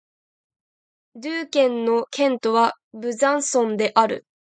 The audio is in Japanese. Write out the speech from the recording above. ドゥー県の県都はブザンソンである